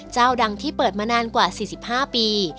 เจ้าดังที่เปิดมานานกว่า๔๕ปี